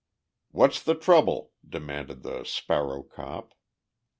"What's the trouble?" demanded the "sparrow cop."